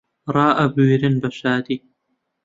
ڕائەبوێرن بە شادی